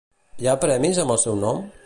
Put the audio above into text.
Hi ha premis amb el seu nom?